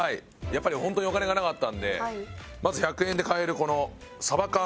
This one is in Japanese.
やっぱりホントにお金がなかったんでまず１００円で買えるこのサバ缶。